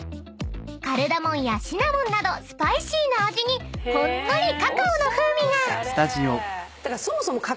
［カルダモンやシナモンなどスパイシーな味にほんのりカカオの風味が］